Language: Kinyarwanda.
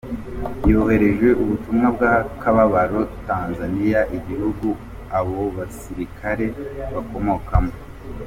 Yoherereje ubutumwa bw'akababaro Tanzania igihugu abo basirikare bakomokamo.